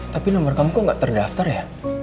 tapi nomor kamu kok nggak terdaftar ya